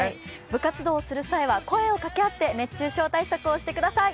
部活動をする際は、声を掛け合って熱中症対策をしてください。